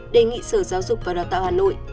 đề nghị sở giáo dục và đào tạo hà nội